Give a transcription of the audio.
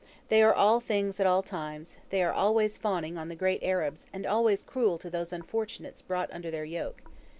They are all things, at all times; they are always fawning on the great Arabs, and always cruel to those unfortunates brought under their yoke.